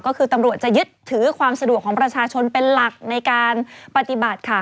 ก็คือตำรวจจะยึดถือความสะดวกของประชาชนเป็นหลักในการปฏิบัติค่ะ